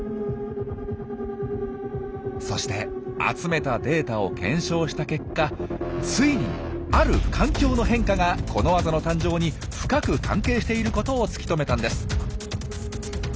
そして集めたデータを検証した結果ついにある環境の変化がこのワザの誕生に深く関係していることを突き止めたんです。